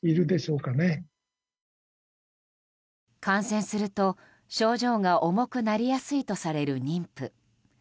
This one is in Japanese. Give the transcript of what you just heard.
感染すると、症状が重くなりやすいとされる妊婦。